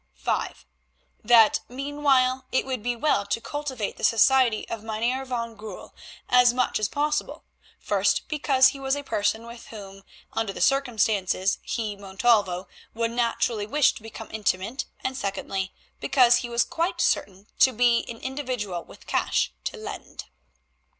(5) That meanwhile it would be well to cultivate the society of Mynheer van Goorl as much as possible, first because he was a person with whom, under the circumstances, he, Montalvo, would naturally wish to become intimate, and secondly, because he was quite certain to be an individual with cash to lend.